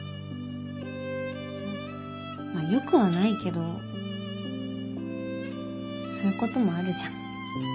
まあよくはないけどそういうこともあるじゃん。